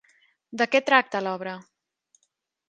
De què tracta l'obra?